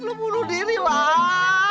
lo bunuh diri lah